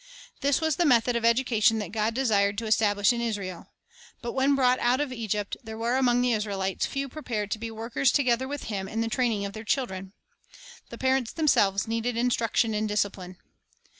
This was the method of education that God de sired to establish in Israel. But when brought out of Egypt there were among the Israelites few prepared to be workers together with Him in the training of their children. The parents themselves needed instruction and discipline.